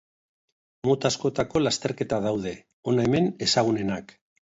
Mota askotako lasterketak daude, hona hemen ezagunenak.